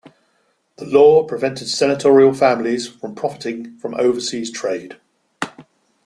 The law prevented senatorial families from profiting from overseas trade.